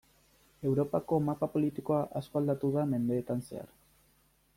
Europako mapa politikoa asko aldatu da mendeetan zehar.